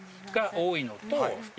多いのと。